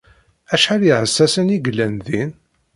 Acḥal iεessasen i yellan din?